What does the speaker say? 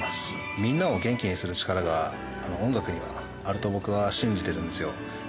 みんなを元気にする力が、音楽にはあると僕は信じてるんですよ。